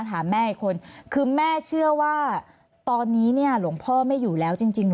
ถามแม่อีกคนคือแม่เชื่อว่าตอนนี้เนี่ยหลวงพ่อไม่อยู่แล้วจริงเหรอ